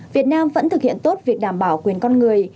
việt nam vẫn thực hiện tốt việc đảm bảo quyền con người